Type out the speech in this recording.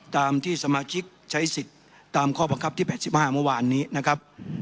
ตามที่สมาชิกใช้สิทธิ์ตามข้อบังคับที่๘๕เมื่อวานนี้นะครับ